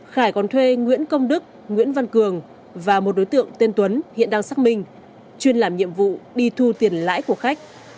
khải còn thuê nguyễn công đức nguyễn văn cường và một đối tượng tên tuấn hiện đang xác minh chuyên làm nhiệm vụ đi thu tiền lãi của khách